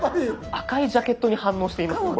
赤いジャケットに反応していますねこれ。